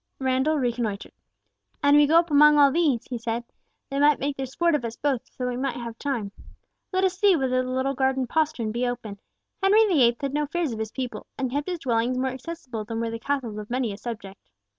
Randall reconnoitred. "An we go up among all these," he said, "they might make their sport of us both, so that we might have time. Let us see whether the little garden postern be open." Henry VIII. had no fears of his people, and kept his dwellings more accessible than were the castles of many a subject.